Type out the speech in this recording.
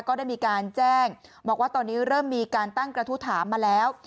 ก็ได้มีการแจ้งบอกว่าตอนนี้เริ่มมีการตั้งกระทู้ถามมาแล้ว